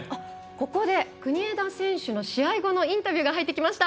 国枝選手の試合後のインタビューが入ってきました！